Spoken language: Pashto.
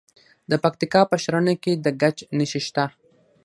د پکتیکا په ښرنه کې د ګچ نښې شته.